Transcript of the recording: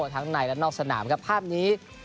ทั้งในและนอกสนามครับภาพนี้